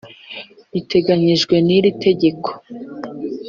Biteganijwe n iri tegeko